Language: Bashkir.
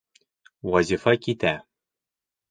Вазифа китә.